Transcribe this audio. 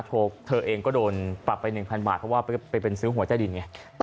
เธอเองก็โดนปรับไป๑๐๐บาทเพราะว่าไปเป็นซื้อหวยใต้ดินไง